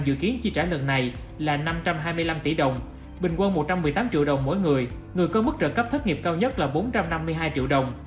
mỗi người người có mức trợ cấp thất nghiệp cao nhất là bốn trăm năm mươi hai triệu đồng